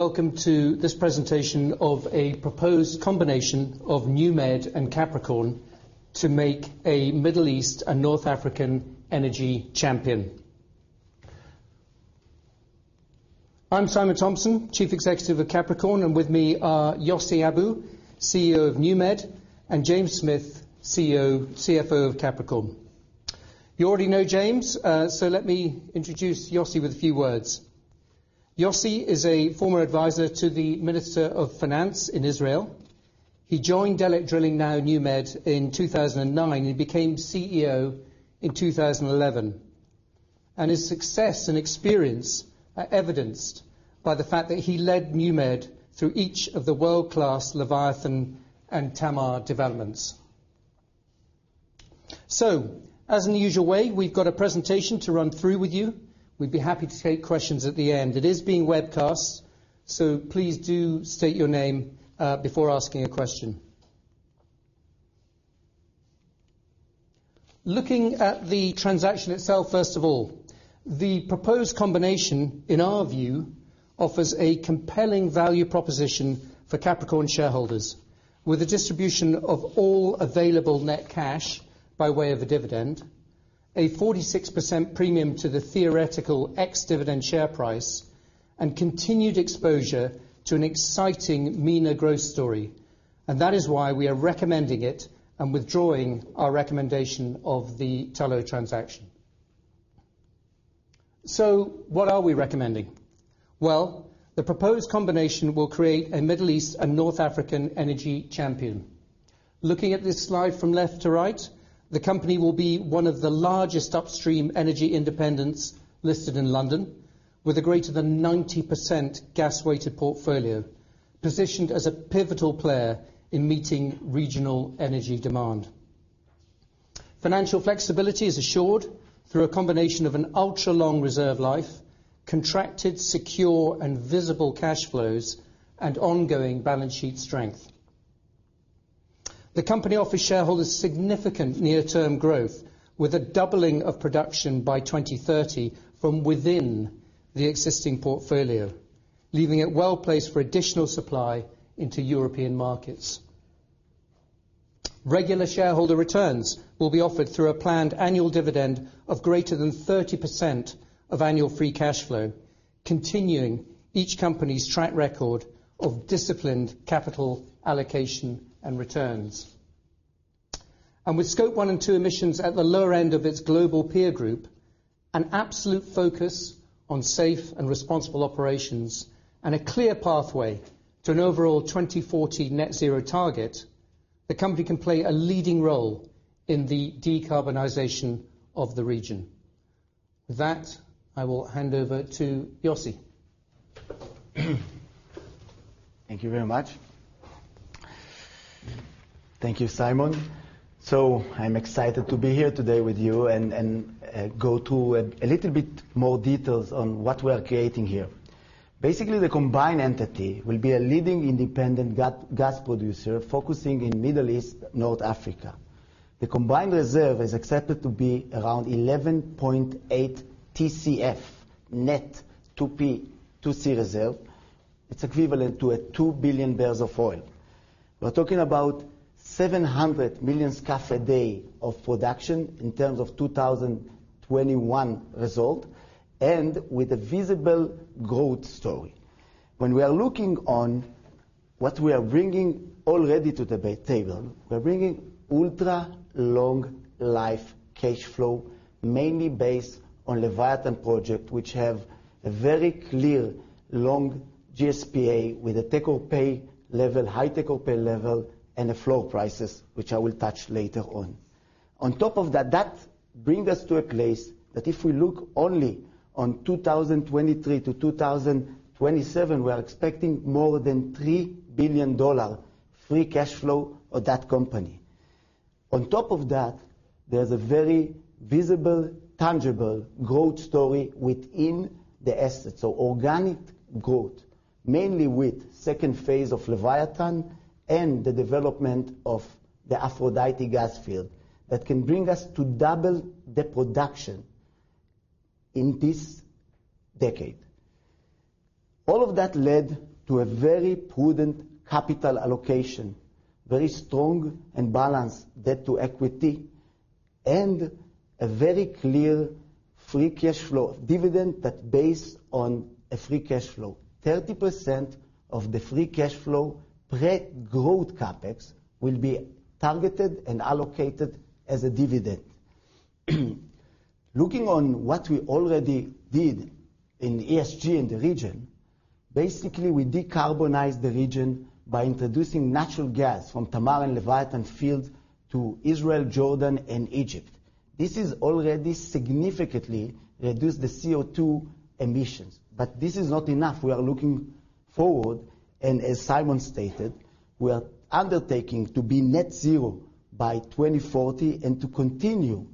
Welcome to this presentation of a proposed combination of NewMed and Capricorn to make a Middle East and North African energy champion. I'm Simon Thomson, Chief Executive of Capricorn, and with me are Yossi Abu, CEO of NewMed, and James Smith, CFO of Capricorn. You already know James, so let me introduce Yossi with a few words. Yossi is a former advisor to the Minister of Finance in Israel. He joined Delek Drilling, now NewMed, in 2009, and became CEO in 2011. His success and experience are evidenced by the fact that he led NewMed through each of the world-class Leviathan and Tamar developments. As in the usual way, we've got a presentation to run through with you. We'd be happy to take questions at the end. It is being webcast, so please do state your name before asking a question. Looking at the transaction itself, first of all, the proposed combination, in our view, offers a compelling value proposition for Capricorn shareholders with a distribution of all available net cash by way of a dividend, a 46% premium to the theoretical ex-dividend share price, and continued exposure to an exciting MENA growth story, and that is why we are recommending it and withdrawing our recommendation of the Tullow transaction. What are we recommending? Well, the proposed combination will create a Middle East and North African energy champion. Looking at this slide from left to right, the company will be one of the largest upstream energy independents listed in London with a greater than 90% gas-weighted portfolio, positioned as a pivotal player in meeting regional energy demand. Financial flexibility is assured through a combination of an ultra-long reserve life, contracted, secure, and visible cash flows, and ongoing balance sheet strength. The company offers shareholders significant near-term growth with a doubling of production by 2030 from within the existing portfolio, leaving it well-placed for additional supply into European markets. Regular shareholder returns will be offered through a planned annual dividend of greater than 30% of annual free cash flow, continuing each company's track record of disciplined capital allocation and returns. With Scope 1 and 2 emissions at the lower end of its global peer group, an absolute focus on safe and responsible operations, and a clear pathway to an overall 2040 net zero target, the company can play a leading role in the decarbonization of the region. With that, I will hand over to Yossi Abu. Thank you very much. Thank you, Simon. I'm excited to be here today with you and go through a little bit more details on what we are creating here. Basically, the combined entity will be a leading independent gas producer focusing in Middle East, North Africa. The combined reserve is accepted to be around 11.8 TCF, net 2P 2C reserve. It's equivalent to 2 billion barrels of oil. We're talking about 700 million MMscfd a day of production in terms of 2021 result, and with a visible growth story. When we are looking on what we are bringing already to the table, we're bringing ultra-long life cash flow, mainly based on Leviathan project, which have a very clear long GSPA with a take-or-pay level, high take-or-pay level, and the floor prices, which I will touch later on. On top of that brings us to a place that if we look only on 2023-2027, we are expecting more than $3 billion free cash flow of that company. On top of that, there's a very visible, tangible growth story within the assets. Organic growth, mainly with second phase of Leviathan and the development of the Aphrodite gas field that can bring us to double the production in this decade. All of that led to a very prudent capital allocation, very strong and balanced debt to equity, and a very clear free cash flow dividend that based on a free cash flow. 30% of the free cash flow, pre-growth CapEx will be targeted and allocated as a dividend. Looking on what we already did in ESG in the region, basically we decarbonize the region by introducing natural gas from Tamar and Leviathan field to Israel, Jordan, and Egypt. This has already significantly reduced the CO2 emissions, but this is not enough. We are looking forward, and as Simon stated, we are undertaking to be net zero by 2040 and to continue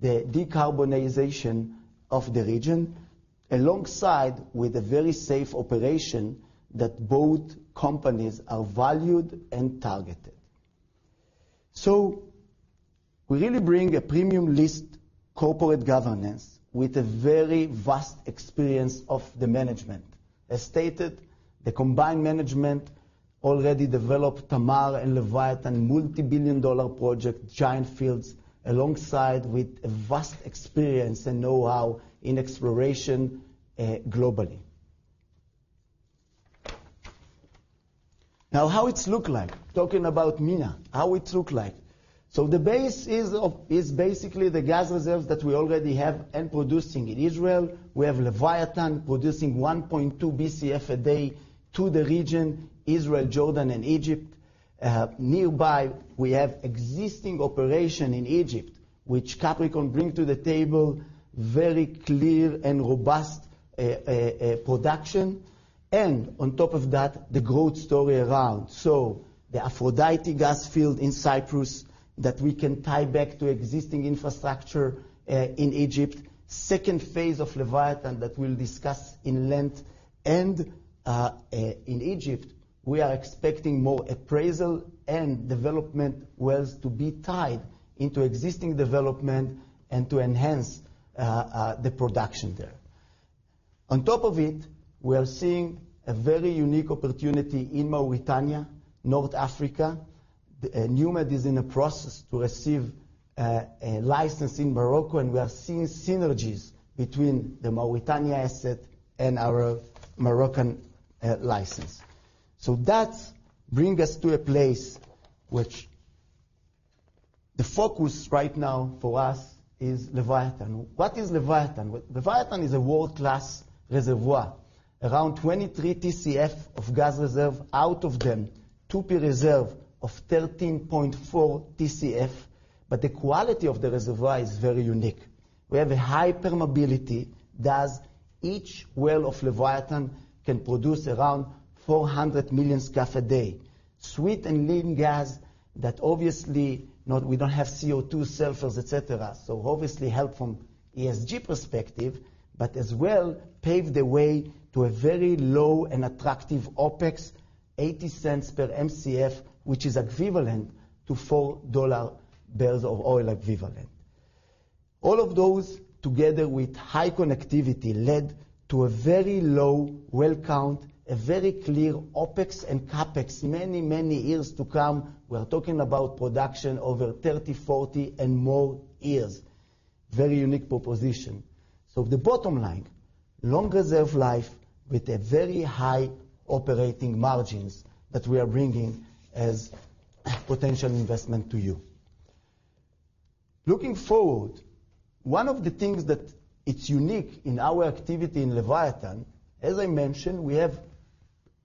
the decarbonization of the region alongside with a very safe operation that both companies are valued and targeted. We really bring a premium-listed corporate governance with a very vast experience of the management. As stated, the combined management already developed Tamar and Leviathan, multibillion-dollar projects, giant fields, alongside with a vast experience and know-how in exploration, globally. Now, how it's look like? Talking about MENA, how it look like. The base is basically the gas reserves that we already have and producing. In Israel, we have Leviathan producing 1.2 Bcf a day to the region, Israel, Jordan and Egypt. Nearby, we have existing operation in Egypt, which Capricorn bring to the table very clear and robust production and on top of that, the growth story around the Aphrodite gas field in Cyprus that we can tie back to existing infrastructure in Egypt. Second phase of Leviathan that we'll discuss in length and in Egypt, we are expecting more appraisal and development wells to be tied into existing development and to enhance the production there. On top of it, we are seeing a very unique opportunity in Mauritania, North Africa. NewMed is in a process to receive a license in Morocco, and we are seeing synergies between the Mauritania asset and our Moroccan license. That bring us to a place which the focus right now for us is Leviathan. What is Leviathan? Well, Leviathan is a world-class reservoir. Around 23 TCF of gas reserve, out of them 2P reserve of 13.4 TCF, but the quality of the reservoir is very unique. We have a high permeability. Thus, each well of Leviathan can produce around 400 million scf a day. Sweet and lean gas that obviously we don't have CO2, sulfurs, et cetera, so obviously help from ESG perspective, but as well, pave the way to a very low and attractive OPEX, $0.80 per MCF, which is equivalent to $4 barrels of oil equivalent. All of those, together with high connectivity, led to a very low well count, a very clear OPEX and CapEx many, many years to come. We're talking about production over 30, 40 and more years. Very unique proposition. The bottom line, long reserve life with a very high operating margins that we are bringing as potential investment to you. Looking forward, one of the things that it's unique in our activity in Leviathan, as I mentioned, we have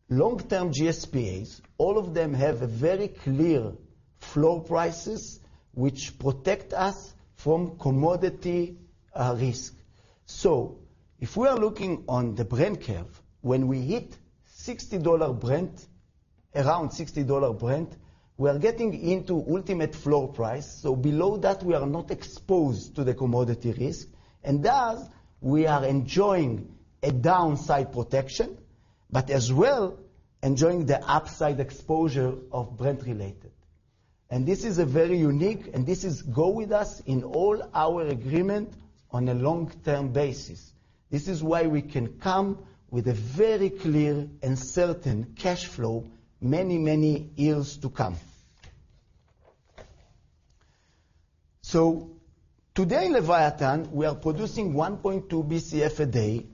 long-term GSPAs. All of them have a very clear floor prices which protect us from commodity risk. If we are looking on the Brent curve, when we hit $60 Brent, around $60 Brent, we are getting into ultimate floor price, so below that, we are not exposed to the commodity risk. Thus, we are enjoying a downside protection, but as well, enjoying the upside exposure of Brent related. This is a very unique, and this goes with us in all our agreements on a long-term basis. This is why we can come with a very clear and certain cash flow many, many years to come. Today, Leviathan, we are producing 1.2 Bcf a day.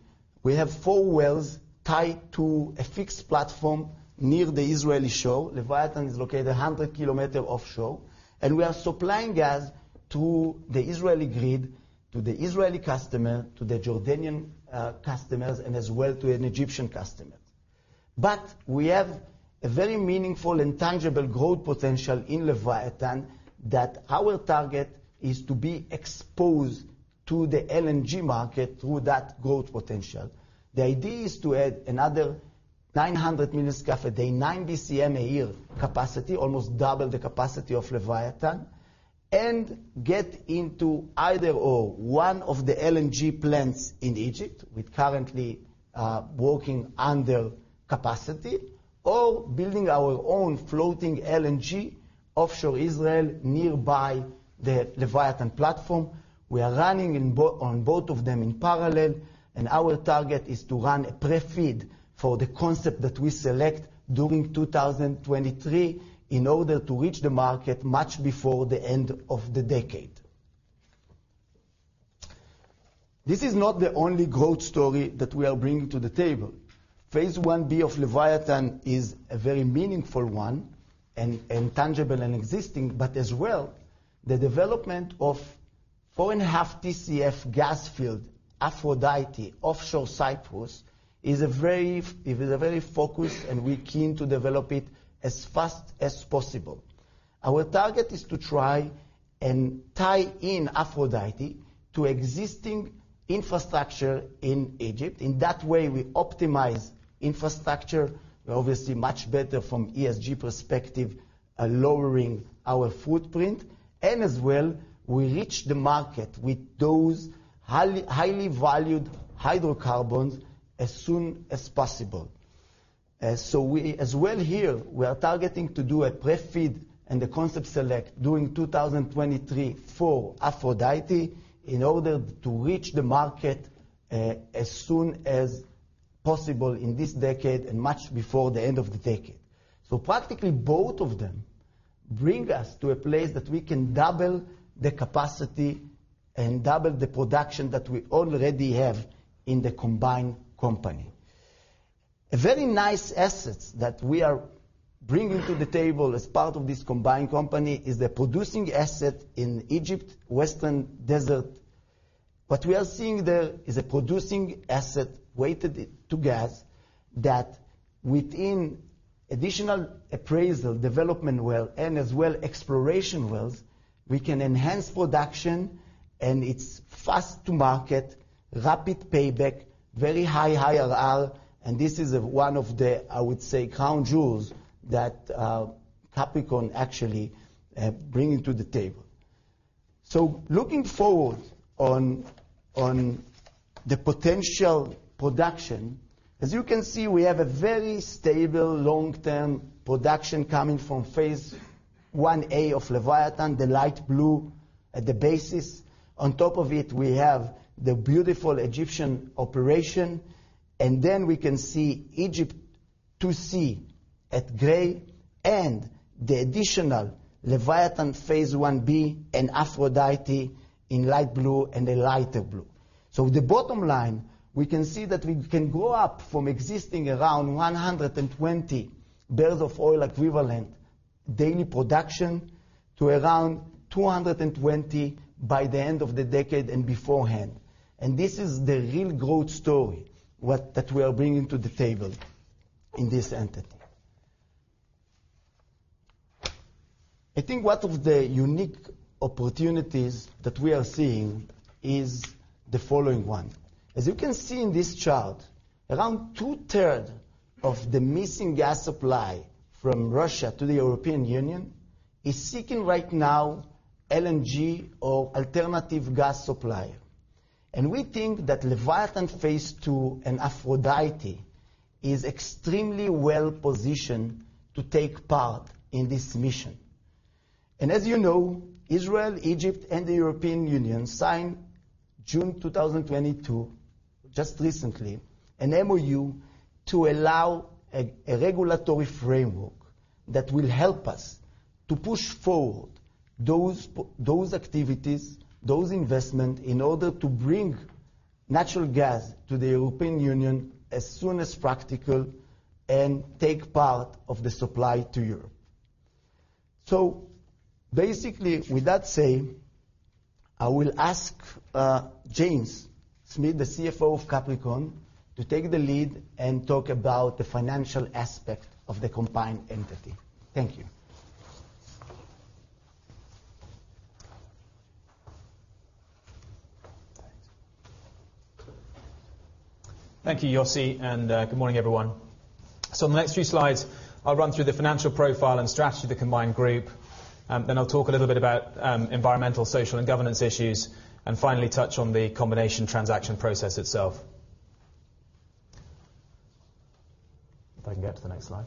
We have four wells tied to a fixed platform near the Israeli shore. Leviathan is located 100 kilometers offshore. We are supplying gas to the Israeli grid, to the Israeli customer, to the Jordanian customers and as well to an Egyptian customer. We have a very meaningful and tangible growth potential in Leviathan that our target is to be exposed to the LNG market through that growth potential. The idea is to add another 900 MMscfd, 9 Bcm a year capacity, almost double the capacity of Leviathan, and get into either or one of the LNG plants in Egypt. We're currently working under capacity or building our own floating LNG offshore Israel nearby the Leviathan platform. We are running on both of them in parallel, and our target is to run a pre-FEED for the concept that we select during 2023 in order to reach the market much before the end of the decade. This is not the only growth story that we are bringing to the table. Phase 1B of Leviathan is a very meaningful one and tangible and existing, but as well, the development of 4.5 TCF gas field, Aphrodite, offshore Cyprus, is a very focused and we're keen to develop it as fast as possible. Our target is to try and tie in Aphrodite to existing infrastructure in Egypt. In that way, we optimize infrastructure. We're obviously much better from ESG perspective at lowering our footprint, and as well, we reach the market with those highly valued hydrocarbons as soon as possible. We, as well here, are targeting to do a pre-FEED and the concept select during 2023 for Aphrodite in order to reach the market, as soon as possible in this decade and much before the end of the decade. Practically both of them bring us to a place that we can double the capacity and double the production that we already have in the combined company. A very nice assets that we are bringing to the table as part of this combined company is the producing asset in Egypt, Western Desert. What we are seeing there is a producing asset weighted to gas that within additional appraisal, development well, and as well exploration wells, we can enhance production and it's fast to market, rapid payback, very high IRR, and this is one of the, I would say, crown jewels that, Capricorn actually, bringing to the table. Looking forward on the potential production, as you can see, we have a very stable long-term production coming from phase one A of Leviathan, the light blue at the basis. On top of it, we have the beautiful Egyptian operation, and then we can see Egypt 2C in gray and the additional Leviathan Phase 1B and Aphrodite in light blue and a lighter blue. The bottom line, we can see that we can go up from existing around 120 barrels of oil equivalent daily production to around 220 by the end of the decade and beforehand. This is the real growth story that we are bringing to the table in this entity. I think one of the unique opportunities that we are seeing is the following one. As you can see in this chart, around two-thirds of the missing gas supply from Russia to the European Union is seeking right now LNG or alternative gas supplier. We think that Leviathan phase 2 and Aphrodite is extremely well-positioned to take part in this mission. As you know, Israel, Egypt, and the European Union signed June 2022, just recently, an MOU to allow a regulatory framework that will help us to push forward those activities, those investment in order to bring natural gas to the European Union as soon as practical and take part of the supply to Europe. Basically, with that said, I will ask James Smith, the CFO of Capricorn Energy, to take the lead and talk about the financial aspect of the combined entity. Thank you. Thank you, Yossi, and good morning, everyone. In the next few slides, I'll run through the financial profile and strategy of the combined group, then I'll talk a little bit about environmental, social, and governance issues, and finally touch on the combination transaction process itself. If I can get to the next slide.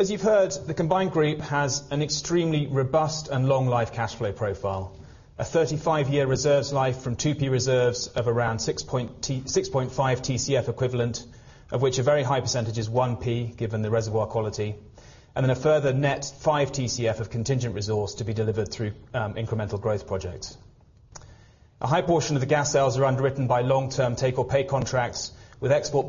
As you've heard, the combined group has an extremely robust and long life cash flow profile. A 35-year reserves life from 2P reserves of around 6.5 TCF equivalent, of which a very high percentage is 1P given the reservoir quality, and then a further net 5 TCF of contingent resource to be delivered through incremental growth projects. A high portion of the gas sales are underwritten by long-term take-or-pay contracts with export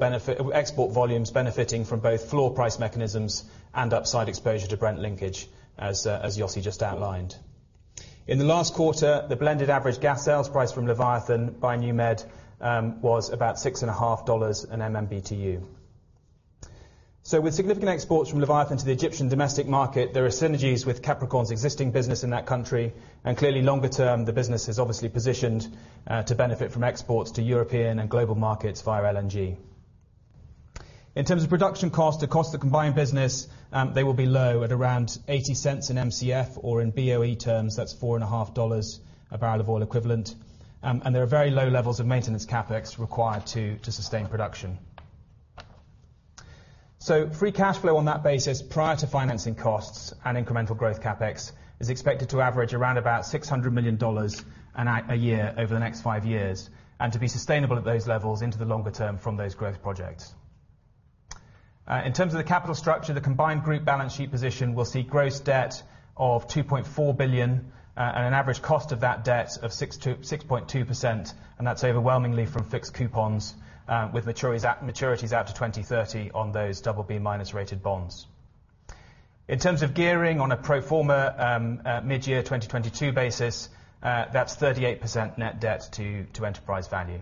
volumes benefiting from both floor price mechanisms and upside exposure to Brent linkage, as Yossi just outlined. In the last quarter, the blended average gas sales price from Leviathan by NewMed was about $6.5/MMBTU. With significant exports from Leviathan to the Egyptian domestic market, there are synergies with Capricorn's existing business in that country, and clearly longer term, the business is obviously positioned to benefit from exports to European and global markets via LNG. In terms of production cost, the cost of the combined business, they will be low at around $0.80/MCF or in BOE terms, that's $4.5 a barrel of oil equivalent. There are very low levels of maintenance CapEx required to sustain production. Free cash flow on that basis, prior to financing costs and incremental growth CapEx, is expected to average around about $600 million a year over the next five years, and to be sustainable at those levels into the longer term from those growth projects. In terms of the capital structure, the combined group balance sheet position will see gross debt of $2.4 billion, and an average cost of that debt of 6.2%, and that's overwhelmingly from fixed coupons, with maturities out to 2030 on those BB- rated bonds. In terms of gearing on a pro forma mid-year 2022 basis, that's 38% net debt to enterprise value.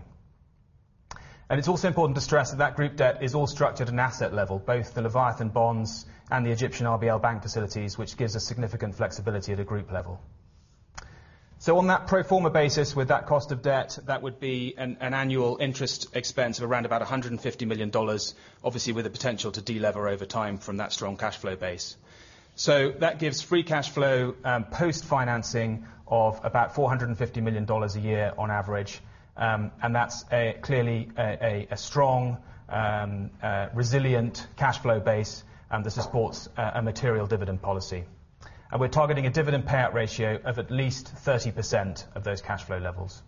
It's also important to stress that group debt is all structured at an asset level, both the Leviathan bonds and the Egyptian RBL bank facilities, which gives us significant flexibility at a group level. On that pro forma basis with that cost of debt, that would be an annual interest expense of around about $150 million, obviously with the potential to de-lever over time from that strong cash flow base. That gives free cash flow post-financing of about $450 million a year on average. That's clearly a strong resilient cash flow base, and this supports a material dividend policy. We're targeting a dividend payout ratio of at least 30% of those cash flow levels.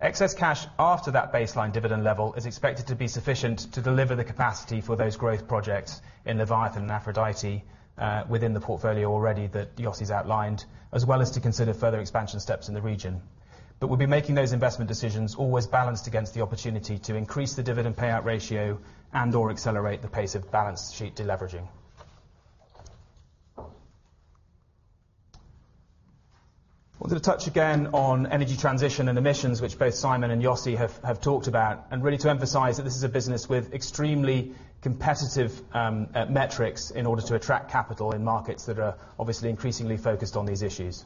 Excess cash after that baseline dividend level is expected to be sufficient to deliver the capacity for those growth projects in Leviathan and Aphrodite, within the portfolio already that Yossi's outlined, as well as to consider further expansion steps in the region. We'll be making those investment decisions always balanced against the opportunity to increase the dividend payout ratio and/or accelerate the pace of balance sheet de-leveraging. Wanted to touch again on energy transition and emissions, which both Simon and Yossi have talked about, and really to emphasize that this is a business with extremely competitive metrics in order to attract capital in markets that are obviously increasingly focused on these issues.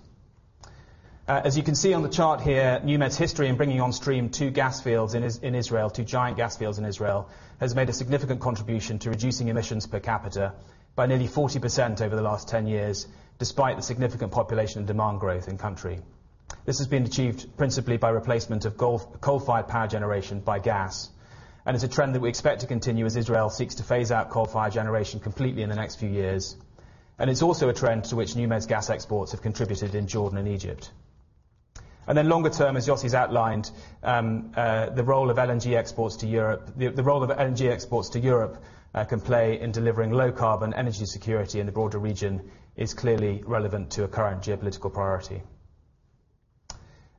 As you can see on the chart here, NewMed's history in bringing on stream two gas fields in Israel, two giant gas fields in Israel, has made a significant contribution to reducing emissions per capita by nearly 40% over the last 10 years, despite the significant population and demand growth in country. This has been achieved principally by replacement of coal-fired power generation by gas, and it's a trend that we expect to continue as Israel seeks to phase out coal-fired generation completely in the next few years. It's also a trend to which NewMed's gas exports have contributed in Jordan and Egypt. Longer term, as Yossi's outlined, the role of LNG exports to Europe can play in delivering low carbon energy security in the broader region is clearly relevant to a current geopolitical priority.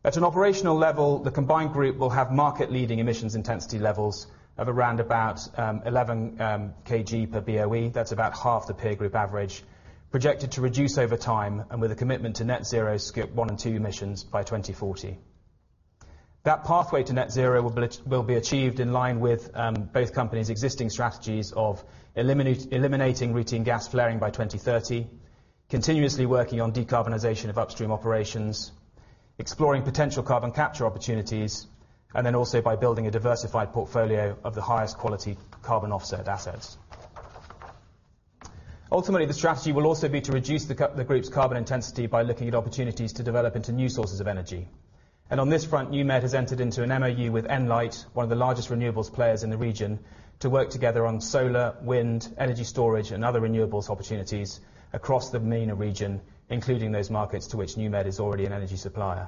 At an operational level, the combined group will have market-leading emissions intensity levels of around about 11 kg per BOE. That's about half the peer group average. Projected to reduce over time and with a commitment to net zero scope one and two emissions by 2040. That pathway to net zero will be achieved in line with both companies' existing strategies of eliminating routine gas flaring by 2030, continuously working on decarbonization of upstream operations, exploring potential carbon capture opportunities, and then also by building a diversified portfolio of the highest quality carbon offset assets. Ultimately, the strategy will also be to reduce the group's carbon intensity by looking at opportunities to develop into new sources of energy. On this front, NewMed has entered into an MOU with Enlight, one of the largest renewables players in the region, to work together on solar, wind, energy storage, and other renewables opportunities across the MENA region, including those markets to which NewMed is already an energy supplier.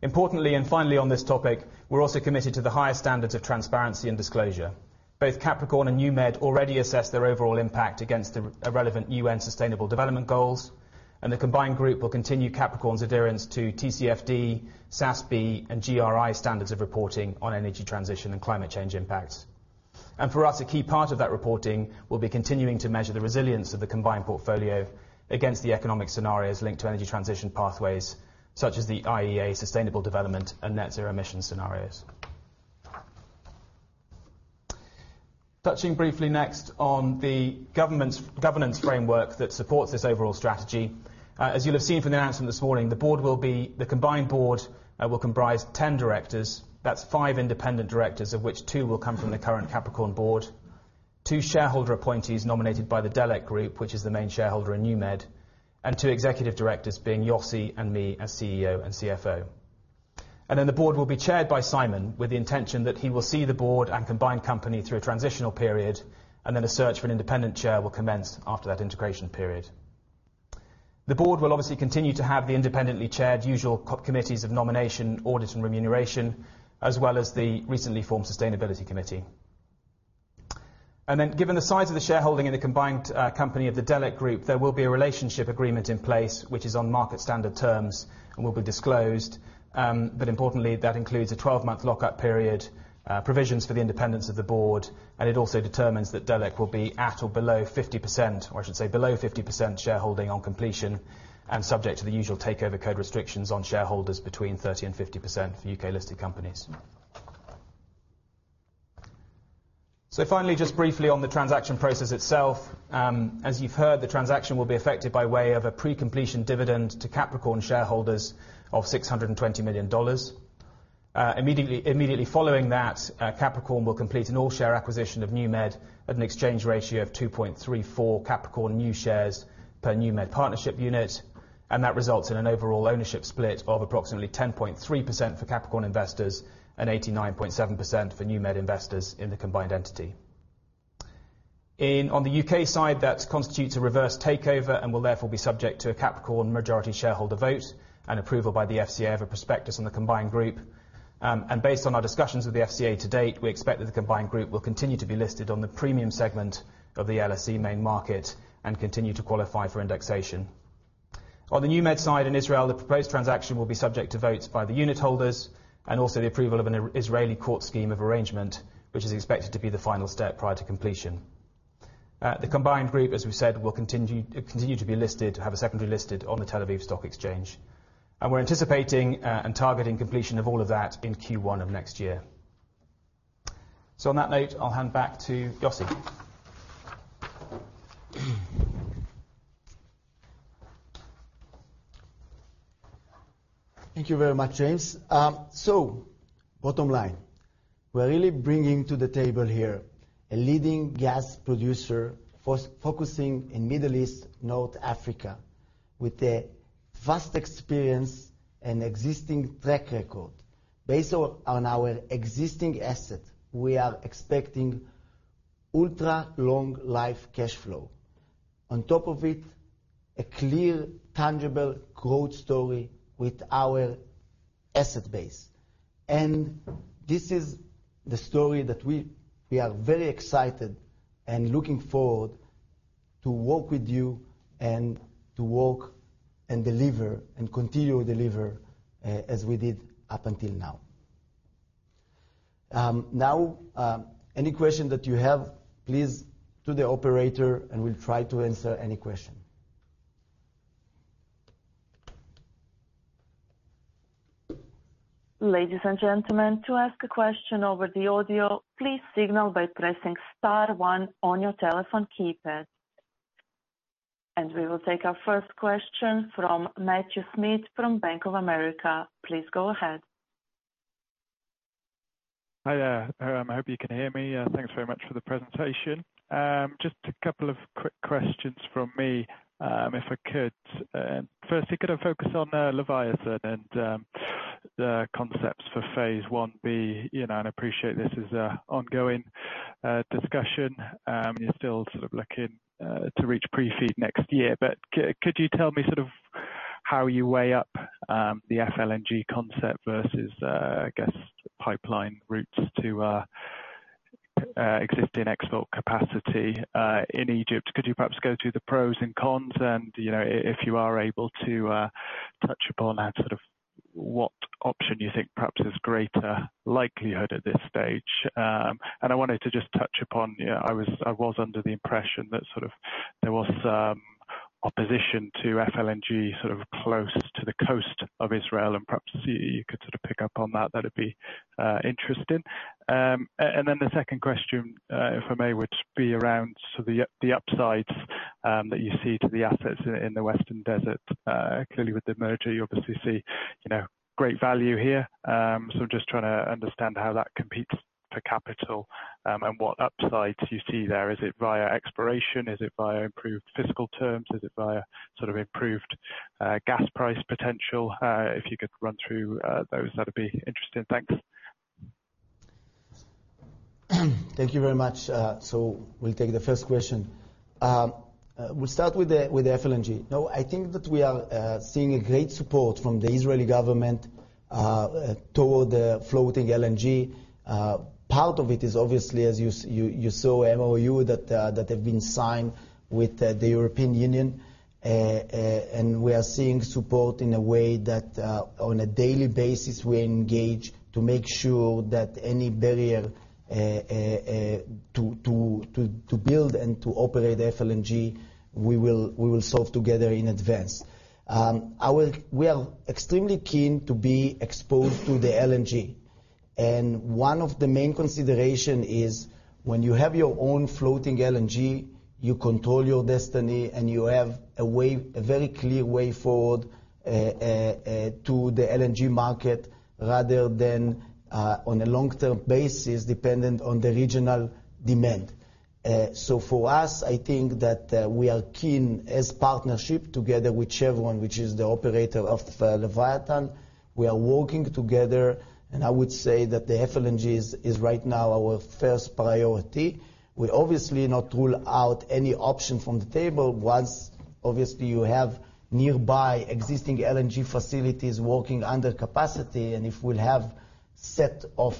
Importantly, and finally on this topic, we're also committed to the highest standards of transparency and disclosure. Both Capricorn and NewMed already assess their overall impact against the relevant UN Sustainable Development Goals, and the combined group will continue Capricorn's adherence to TCFD, SASB, and GRI standards of reporting on energy transition and climate change impacts. For us, a key part of that reporting will be continuing to measure the resilience of the combined portfolio against the economic scenarios linked to energy transition pathways, such as the IEA sustainable development and net zero emissions scenarios. Touching briefly next on the governance framework that supports this overall strategy. As you'll have seen from the announcement this morning, the combined board will comprise 10 directors. That's five independent directors, of which two will come from the current Capricorn board, two shareholder appointees nominated by the Delek Group, which is the main shareholder in NewMed, and two executive directors being Yossi and me as CEO and CFO. The board will be chaired by Simon with the intention that he will see the board and combined company through a transitional period, and then a search for an independent chair will commence after that integration period. The board will obviously continue to have the independently chaired usual committees of nomination, audit, and remuneration, as well as the recently formed sustainability committee. Given the size of the shareholding in the combined company of the Delek Group, there will be a relationship agreement in place, which is on market standard terms and will be disclosed. Importantly, that includes a 12-month lock-up period, provisions for the independence of the board, and it also determines that Delek will be at or below 50%, or I should say below 50% shareholding on completion and subject to the usual Takeover Code restrictions on shareholders between 30% and 50% for UK-listed companies. Finally, just briefly on the transaction process itself. As you've heard, the transaction will be effected by way of a pre-completion dividend to Capricorn shareholders of $620 million. Immediately following that, Capricorn will complete an all-share acquisition of NewMed at an exchange ratio of 2.34 Capricorn new shares per NewMed partnership unit. That results in an overall ownership split of approximately 10.3% for Capricorn investors and 89.7% for NewMed investors in the combined entity. On the UK side, that constitutes a reverse takeover and will therefore be subject to a Capricorn majority shareholder vote and approval by the FCA of a prospectus on the combined group. Based on our discussions with the FCA to date, we expect that the combined group will continue to be listed on the premium segment of the LSE main market and continue to qualify for indexation. On the NewMed side in Israel, the proposed transaction will be subject to votes by the unitholders and also the approval of an Israeli court scheme of arrangement, which is expected to be the final step prior to completion. The combined group, as we've said, will continue to be listed, have a secondary listing on the Tel Aviv Stock Exchange. We're anticipating and targeting completion of all of that in Q1 of next year. On that note, I'll hand back to Yossi. Thank you very much, James. Bottom line, we're really bringing to the table here a leading gas producer focusing in Middle East, North Africa, with a vast experience and existing track record. Based on our existing asset, we are expecting ultra-long life cash flow. On top of it, a clear tangible growth story with our asset base. This is the story that we are very excited and looking forward to work with you and to work and deliver and continue to deliver as we did up until now. Now, any question that you have, please to the operator, and we'll try to answer any question. Ladies and gentlemen, to ask a question over the audio, please signal by pressing star one on your telephone keypad. We will take our first question from Matthew Smith from Bank of America. Please go ahead. Hi, there. I hope you can hear me. Thanks very much for the presentation. Just a couple of quick questions from me, if I could. Firstly, could I focus on Leviathan and the concepts for phase one B? You know, and I appreciate this is an ongoing discussion. You're still sort of looking to reach pre-FEED next year, but could you tell me sort of how you weigh up the FLNG concept versus, I guess, pipeline routes to existing export capacity in Egypt? Could you perhaps go through the pros and cons? You know, if you are able to touch upon that, sort of what option you think perhaps is greater likelihood at this stage. I wanted to just touch upon, you know, I was under the impression that sort of there was opposition to FLNG sort of close to the coast of Israel, and perhaps you could sort of pick up on that. That'd be interesting. The second question, if I may, would be around, so the upsides that you see to the assets in the Western Desert. Clearly with the merger, you obviously see, you know, great value here. I'm just trying to understand how that competes for capital, and what upsides you see there. Is it via exploration? Is it via improved fiscal terms? Is it via sort of improved gas price potential? If you could run through those, that'd be interesting. Thanks. Thank you very much. We'll take the first question. We'll start with the FLNG. No, I think that we are seeing a great support from the Israeli government toward the floating LNG. Part of it is obviously, as you saw MOU that have been signed with the European Union. We are seeing support in a way that on a daily basis, we engage to make sure that any barrier to build and to operate FLNG, we will solve together in advance. We are extremely keen to be exposed to the LNG. One of the main consideration is when you have your own floating LNG, you control your destiny, and you have a way, a very clear way forward to the LNG market, rather than on a long-term basis dependent on the regional demand. So for us, I think that we are keen as partnership together with Chevron, which is the operator of the Leviathan. We are working together, and I would say that the FLNG is right now our first priority. We obviously not rule out any option from the table once obviously you have nearby existing LNG facilities working under capacity. If we'll have set of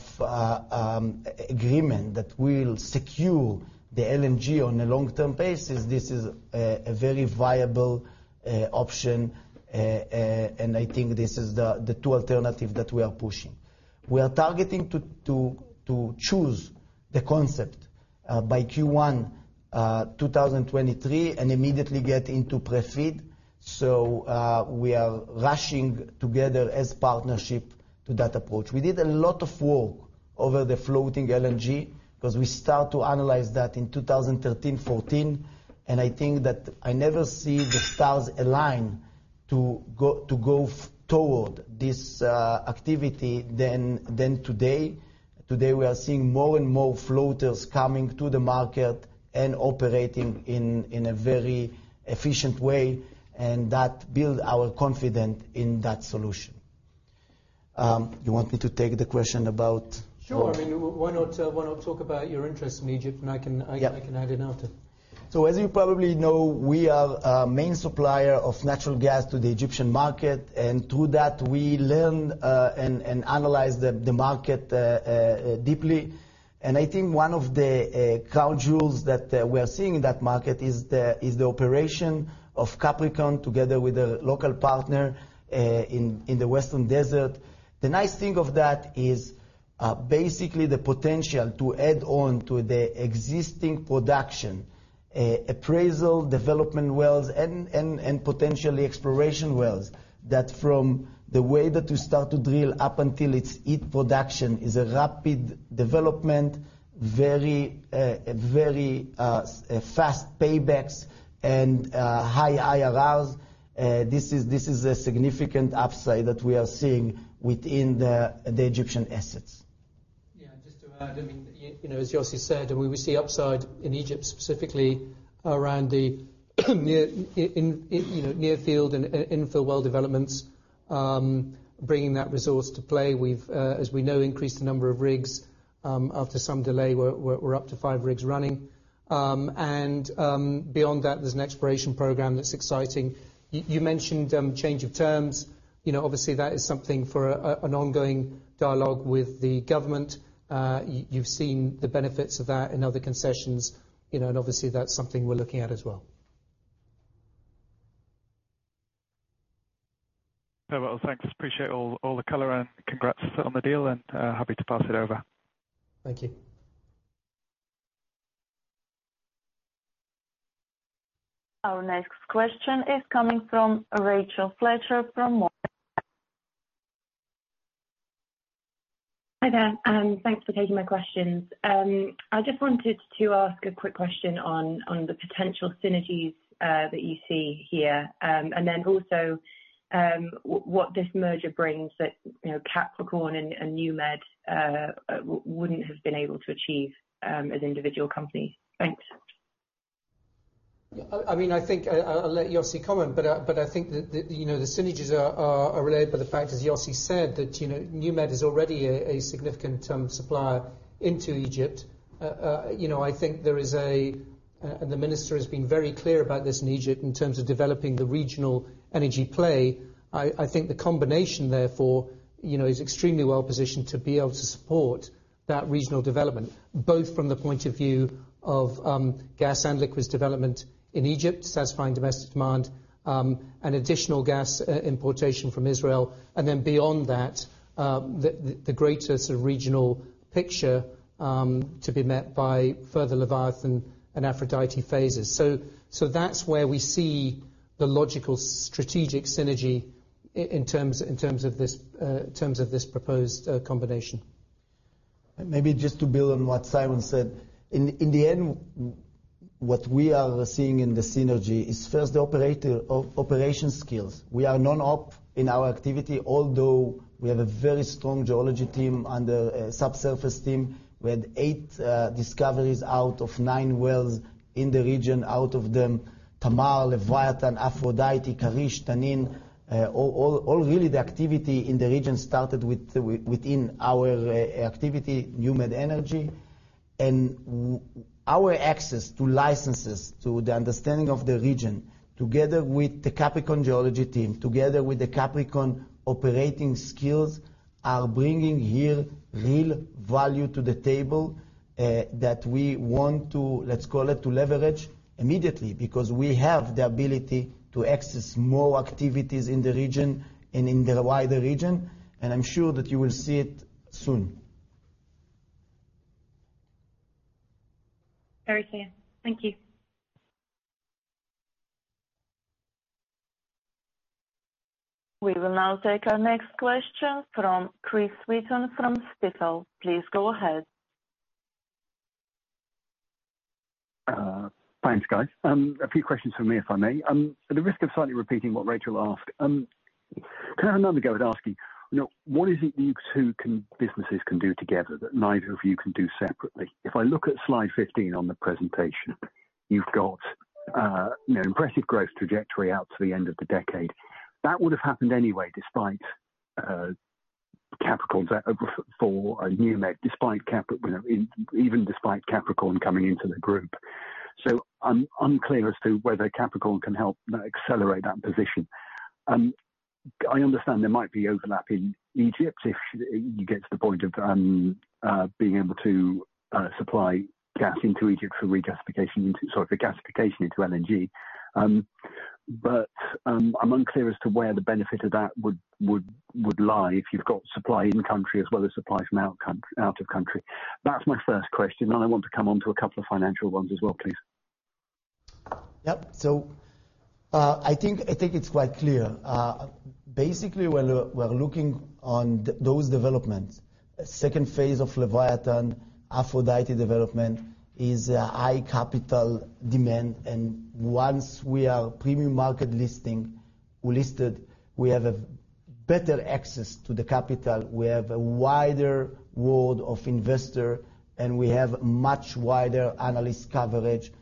agreement that we'll secure the LNG on a long-term basis, this is a very viable option. I think this is the two alternative that we are pushing. We are targeting to choose the concept by Q1 2023, and immediately get into pre-FEED. We are rushing together as partnership to that approach. We did a lot of work over the floating LNG because we start to analyze that in 2013, 2014, and I think that I never see the stars align to go toward this activity than today. Today, we are seeing more and more floaters coming to the market and operating in a very efficient way, and that build our confidence in that solution. You want me to take the question about- Sure. I mean, why not talk about your interest in Egypt, and I can- Yeah. I can add in after. As you probably know, we are a main supplier of natural gas to the Egyptian market. Through that, we learn and analyze the market deeply. I think one of the crown jewels that we are seeing in that market is the operation of Capricorn together with a local partner in the Western desert. The nice thing of that is basically the potential to add on to the existing production, appraisal, development wells and potentially exploration wells. That from the way that you start to drill up until it's at production is a rapid development, very fast paybacks and high IRRs. This is a significant upside that we are seeing within the Egyptian assets. As Yossi said, we see upside in Egypt specifically around the near field and in the well developments, bringing that resource to play. We've, as we know, increased the number of rigs. After some delay, we're up to five rigs running. Beyond that, there's an exploration program that's exciting. You mentioned change of terms. Obviously that is something for an ongoing dialogue with the government. You've seen the benefits of that in other concessions, you know, and obviously that's something we're looking at as well. Very well. Thanks. Appreciate all the color and congrats on the deal and happy to pass it over. Thank you. Our next question is coming from Rachel Fletcher from Morgan Stanley. Hi there, thanks for taking my questions. I just wanted to ask a quick question on the potential synergies that you see here. Also, what this merger brings that, you know, Capricorn and NewMed wouldn't have been able to achieve, as individual companies. Thanks. I'll let Yossi comment, but I think that, you know, the synergies are related by the fact, as Yossi said, that, you know, NewMed is already a significant supplier into Egypt. I think there is, and the minister has been very clear about this in Egypt in terms of developing the regional energy play. I think the combination therefore, you know, is extremely well-positioned to be able to support that regional development, both from the point of view of gas and liquids development in Egypt, satisfying domestic demand, and additional gas importation from Israel. Then beyond that, the greater sort of regional picture to be met by further Leviathan and Aphrodite phases. That's where we see the logical strategic synergy in terms of this proposed combination. Maybe just to build on what Simon said. In the end, what we are seeing in the synergy is first the operational skills. We are non-op in our activity, although we have a very strong geology team and subsurface team. We had eight discoveries out of nine wells in the region. Out of them, Tamar, Leviathan, Aphrodite, Karish, Tanin. All really the activity in the region started within our activity, NewMed Energy. And our access to licenses, to the understanding of the region, together with the Capricorn geology team, together with the Capricorn operating skills, are bringing here real value to the table that we want to, let's call it, to leverage immediately. Because we have the ability to access more activities in the region and in the wider region, and I'm sure that you will see it soon. Very clear. Thank you. We will now take our next question from Chris Wheaton from Stifel. Please go ahead. Thanks, guys. A few questions from me, if I may. At the risk of slightly repeating what Rachel asked, can I have another go at asking, you know, what is it you two can, businesses can do together that neither of you can do separately? If I look at slide 15 on the presentation, you've got, you know, impressive growth trajectory out to the end of the decade. That would have happened anyway, despite Capricorn's effort for NewMed, despite, you know, even despite Capricorn coming into the group. I'm unclear as to whether Capricorn can help accelerate that position. I understand there might be overlap in Egypt if you get to the point of being able to supply gas into Egypt for regasification into, sorry, for gasification into LNG. I'm unclear as to where the benefit of that would lie if you've got supply in country as well as supply from out of country. That's my first question. I want to come on to a couple of financial ones as well, please. Yep. I think it's quite clear. Basically, we're looking on those developments. Second phase of Leviathan, Aphrodite development is a high capital demand. Once we are premium market listed, we have a better access to the capital. We have a wider world of investors, and we have much wider analyst coverage.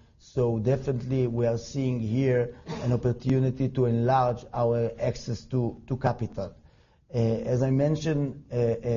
Definitely we are seeing here an opportunity to enlarge our access to capital. As I mentioned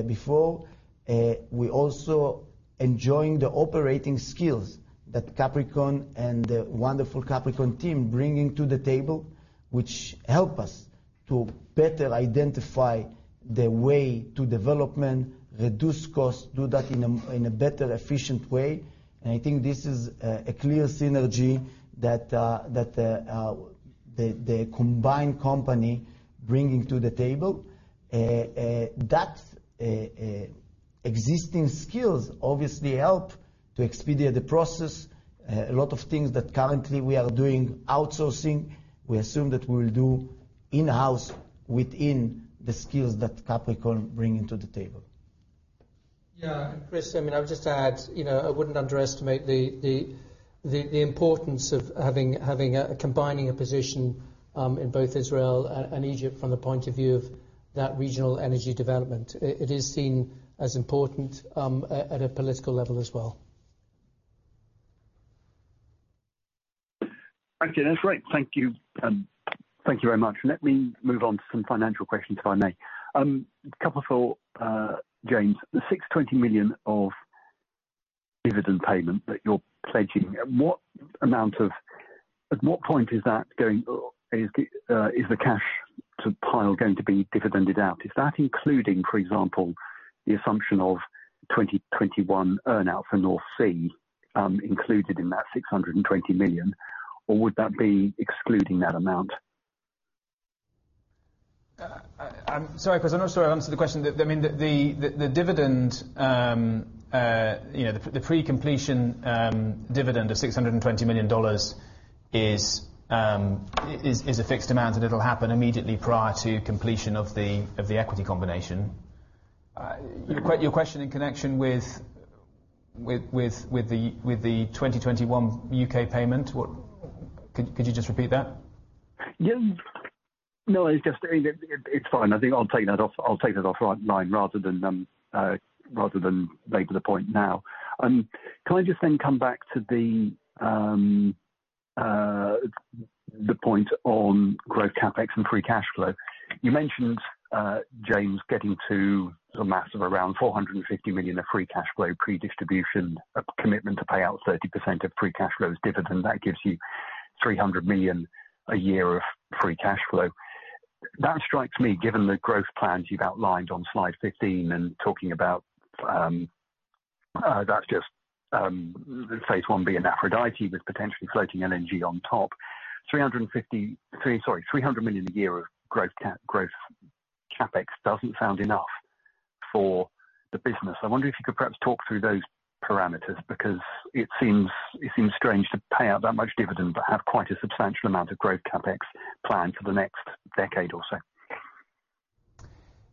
before, we're also enjoying the operating skills that Capricorn and the wonderful Capricorn team bringing to the table, which help us to better identify the way to development, reduce costs, do that in a better, efficient way. I think this is a clear synergy that the combined company bringing to the table. That existing skills obviously help to expedite the process. A lot of things that currently we are doing outsourcing, we assume that we will do in-house within the skills that Capricorn bringing to the table. Yeah. Chris, I mean, I would just add, you know, I wouldn't underestimate the The importance of combining a position in both Israel and Egypt from the point of view of that regional energy development. It is seen as important at a political level as well. Okay. That's great. Thank you, thank you very much. Let me move on to some financial questions, if I may. A couple for James. The $620 million of dividend payment that you're pledging, at what point is that going, is the cash pile going to be dividended out? Is that including, for example, the assumption of 2021 earn-out for North Sea, included in that $620 million, or would that be excluding that amount? I'm sorry, Chris. I'm not sure I answered the question. I mean, the dividend, you know, the pre-completion dividend of $620 million is a fixed amount, and it'll happen immediately prior to completion of the equity combination. Your question in connection with the 2021 UK payment. Could you just repeat that? Yes. No, it's just, I mean, it's fine. I think I'll take that off, I'll take that offline rather than rather than raise the point now. Can I just then come back to the point on growth CapEx and free cash flow? You mentioned, James, getting to a mass of around $450 million of free cash flow pre-distribution, a commitment to pay out 30% of free cash flow as dividend. That gives you $300 million a year of free cash flow. That strikes me, given the growth plans you've outlined on slide 15 and talking about, that's just phase one B in Aphrodite with potentially floating LNG on top. $300 million a year of growth CapEx doesn't sound enough for the business. I wonder if you could perhaps talk through those parameters because it seems strange to pay out that much dividend, but have quite a substantial amount of growth CapEx planned for the next decade or so.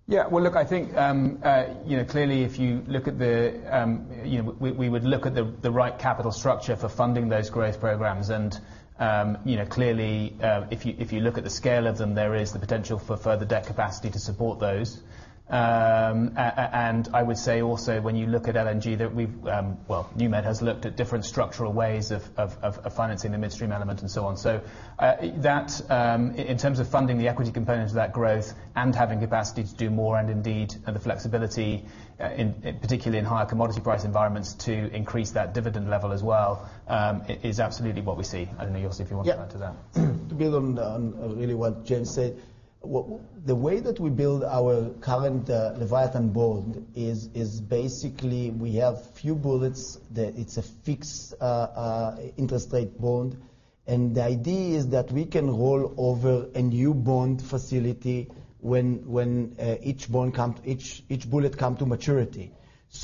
Yeah. Well, look, I think, you know, clearly you know we would look at the right capital structure for funding those growth programs. Clearly, if you look at the scale of them, there is the potential for further debt capacity to support those. And I would say also when you look at LNG that we've well NewMed has looked at different structural ways of financing the midstream element and so on. That in terms of funding the equity components of that growth and having capacity to do more and indeed the flexibility particularly in higher commodity price environments to increase that dividend level as well is absolutely what we see. I don't know, Yossi, if you want to add to that. Yeah. To build on really what James said. The way that we build our current Leviathan Bond is basically we have few bullets. It's a fixed rate bond. The idea is that we can roll over a new bond facility when each bond come, each bullet come to maturity.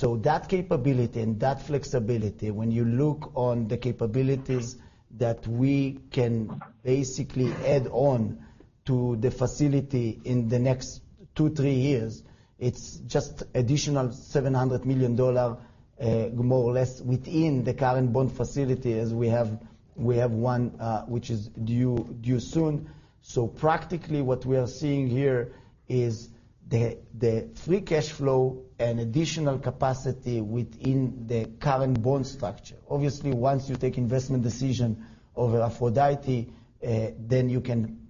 That capability and that flexibility, when you look on the capabilities that we can basically add on to the facility in the next 2-3 years, it's just additional $700 million, more or less within the current bond facility as we have. We have one which is due soon. Practically what we are seeing here is the free cash flow and additional capacity within the current bond structure. Obviously, once you take investment decision over Aphrodite, then you can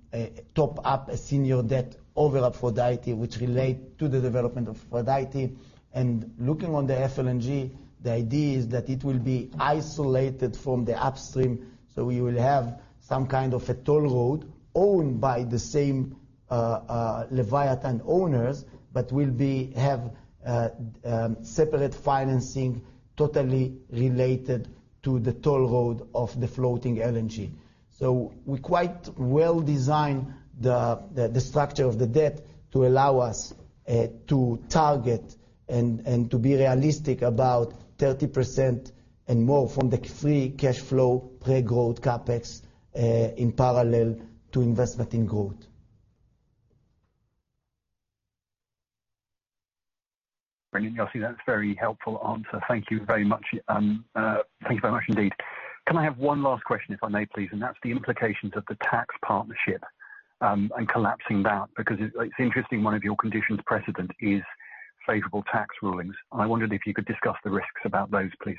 top up a senior debt over Aphrodite, which relate to the development of Aphrodite. Looking on the FLNG, the idea is that it will be isolated from the upstream, so we will have some kind of a toll road owned by the same Leviathan owners, but will have separate financing totally related to the toll road of the floating LNG. We quite well design the structure of the debt to allow us to target and to be realistic about 30% and more from the free cash flow, pay growth, CapEx, in parallel to investment in growth. Brilliant, Yossi. That's a very helpful answer. Thank you very much. Thank you very much indeed. Can I have one last question, if I may please? That's the implications of the tax partnership and collapsing that, because it's interesting one of your conditions precedent is favorable tax rulings, and I wondered if you could discuss the risks about those, please.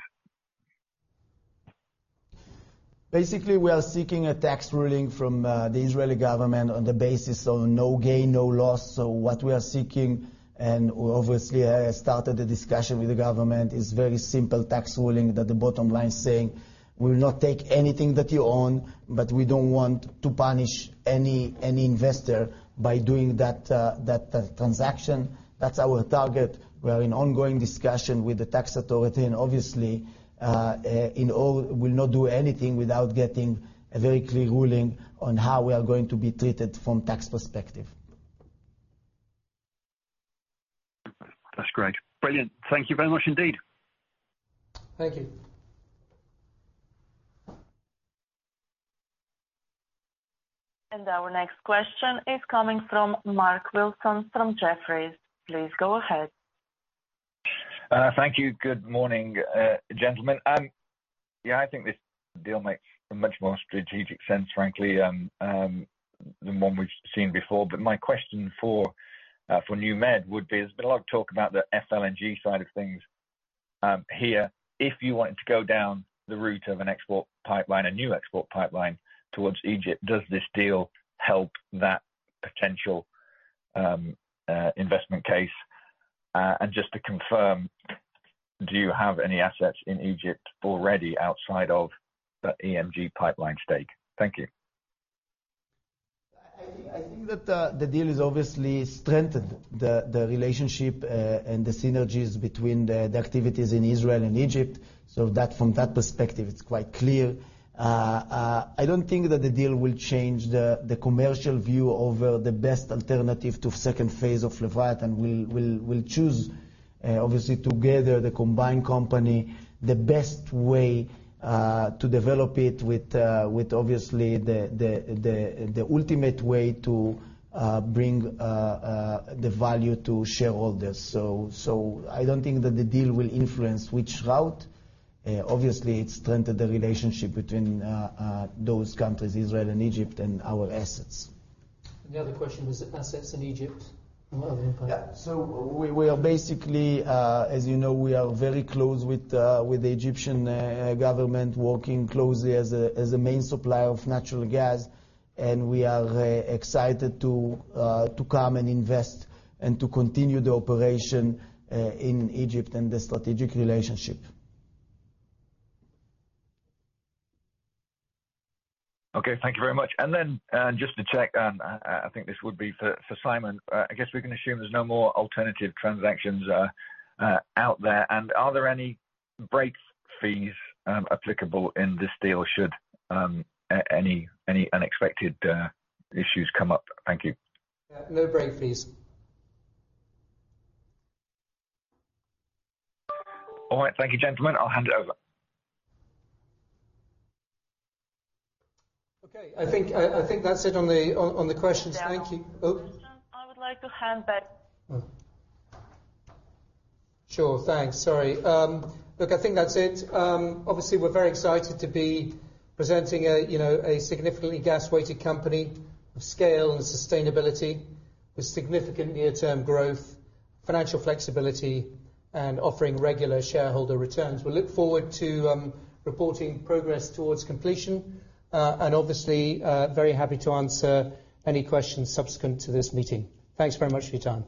Basically, we are seeking a tax ruling from the Israeli government on the basis of no gain, no loss. What we are seeking, and we obviously have started the discussion with the government, is very simple tax ruling that the bottom line is saying, "We will not take anything that you own, but we don't want to punish any investor by doing that transaction." That's our target. We are in ongoing discussion with the tax authority, and obviously, in all, we'll not do anything without getting a very clear ruling on how we are going to be treated from tax perspective. That's great. Brilliant. Thank you very much indeed. Thank you. Our next question is coming from Mark Wilson from Jefferies. Please go ahead. Thank you. Good morning, gentlemen. Yeah, I think this deal makes much more strategic sense, frankly, than one we've seen before. My question for NewMed would be, there's been a lot of talk about the FLNG side of things here. If you wanted to go down the route of an export pipeline, a new export pipeline towards Egypt, does this deal help that potential investment case? Just to confirm, do you have any assets in Egypt already outside of the EMG pipeline stake? Thank you. I think that the deal is obviously strengthened the relationship and the synergies between the activities in Israel and Egypt. That from that perspective, it's quite clear. I don't think that the deal will change the commercial view over the best alternative to second phase of Leviathan. We'll choose obviously together, the combined company, the best way to develop it with obviously the ultimate way to bring the value to shareholders. I don't think that the deal will influence which route. Obviously it strengthen the relationship between those countries, Israel and Egypt, and our assets. The other question was assets in Egypt. Yeah. We are basically, as you know, we are very close with the Egyptian government, working closely as a main supplier of natural gas. We are excited to come and invest, and to continue the operation in Egypt and the strategic relationship. Okay, thank you very much. Just to check, I think this would be for Simon. I guess we can assume there's no more alternative transactions out there. Are there any break fees applicable in this deal, should any unexpected issues come up? Thank you. Yeah. No break fees. All right. Thank you, gentlemen. I'll hand it over. Okay. I think that's it on the questions. Thank you. Yeah. Oh. I would like to hand back. Sure. Thanks. Sorry. Look, I think that's it. Obviously we're very excited to be presenting a, you know, a significantly gas-weighted company of scale and sustainability with significant near-term growth, financial flexibility, and offering regular shareholder returns. We look forward to reporting progress towards completion, and obviously, very happy to answer any questions subsequent to this meeting. Thanks very much for your time.